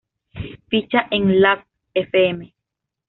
Ficha en lastfm